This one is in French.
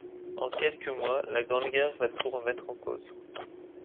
En quelques mois, la Grande Guerre va tout remettre en cause.